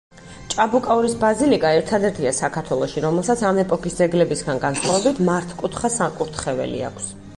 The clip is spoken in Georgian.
ჭაბუკაურის ბაზილიკა ერთადერთია საქართველოში, რომელსაც ამ ეპოქის ძეგლებისგან განსხვავებით მართკუთხა საკურთხეველი აქვს.